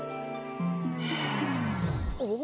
おっ？